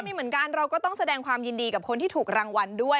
มีเหมือนกันเราก็ต้องแสดงความยินดีกับคนที่ถูกรางวัลด้วย